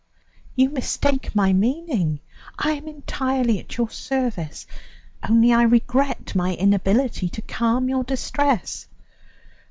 "You mistake my meaning. I am entirely at your service; only I regret my inability to calm your distress.